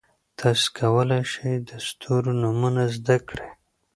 تاسي کولای شئ د ستورو نومونه زده کړئ.